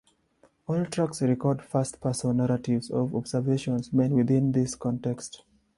All tracks record first-person narratives of observations made within this context.